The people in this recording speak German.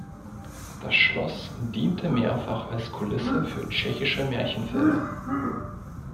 Das Schloss diente mehrfach als Kulisse für tschechische Märchenfilme.